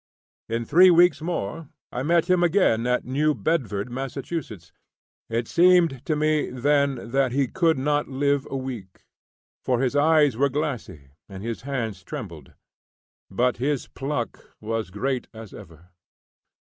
In three weeks more, I met him again at New Bedford, Mass. It seemed to me, then, that he could not live a week, for his eyes were glassy and his hands trembled, but his pluck was great as ever.